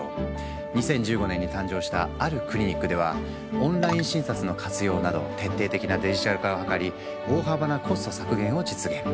２０１５年に誕生したあるクリニックではオンライン診察の活用など徹底的なデジタル化を図り大幅なコスト削減を実現。